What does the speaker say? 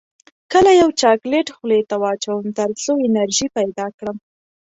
کله یو چاکلیټ خولې ته واچوم تر څو انرژي پیدا کړم